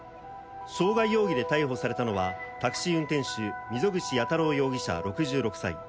傷害容疑で逮捕されたのはタクシー運転手溝口弥太郎容疑者６６歳。